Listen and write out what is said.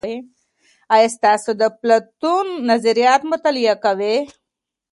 آیا سیاست د افلاطون نظریات مطالعه کوي؟